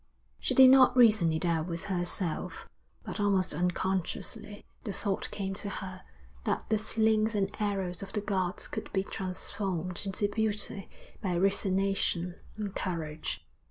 She did not reason it out with herself, but almost unconsciously the thought came to her that the slings and arrows of the gods could be transformed into beauty by resignation and courage.